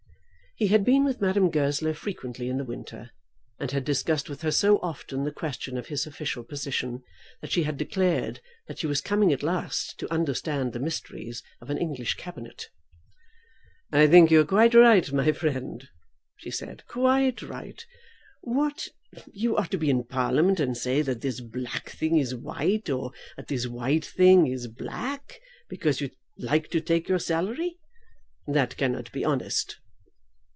He had been with Madame Goesler frequently in the winter, and had discussed with her so often the question of his official position that she had declared that she was coming at last to understand the mysteries of an English Cabinet. "I think you are quite right, my friend," she said, "quite right. What you are to be in Parliament and say that this black thing is white, or that this white thing is black, because you like to take your salary! That cannot be honest!"